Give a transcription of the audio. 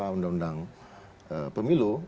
undang undang pemilu ya